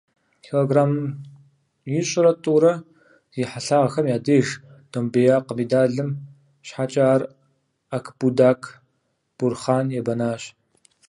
Килограмм ищӀрэ тӀурэ зи хьэлъагъхэм я деж домбеякъ медалым щхьэкӀэ ар Акбудак Бурхъан ебэнащ.